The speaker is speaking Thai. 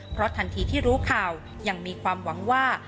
เพราะทันทีที่รู้ข่าวยังมีความหวังว่า